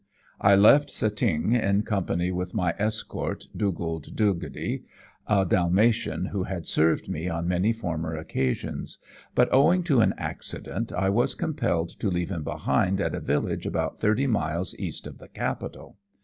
I left Cetinge in company with my escort, Dugald Dalghetty, a Dalmatian who had served me on many former occasions; but owing to an accident I was compelled to leave him behind at a village about thirty miles east of the capital.